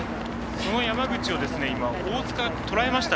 その山口が大塚をとらえました。